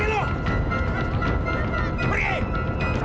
aduh teteh ampun